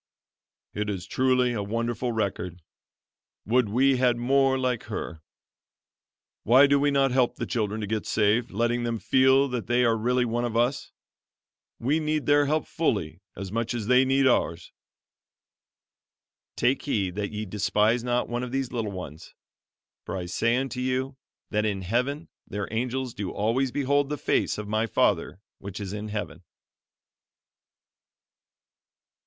"It is truly a wonderful record! Would we had more like her. Why do we not help the children to get saved, letting them feel that they are really one with us? We need their help fully as much as they need ours. 'Take heed that ye despise not one of these little ones; for I say unto you, That in heaven their angels do always behold the face of my Father which is in Heaven.'"